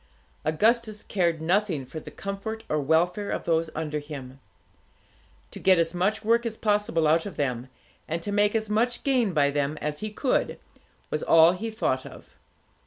Augustus cared nothing for the comfort or welfare of those under him. To get as much work as possible out of them, and to make as much gain by them as he could, was all he thought of.